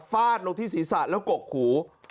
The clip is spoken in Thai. ฟาดลงที่ศีรษะแล้วกกหู